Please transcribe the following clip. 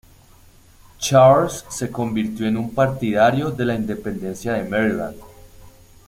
Charles se convirtió en un partidario de la independencia de Maryland.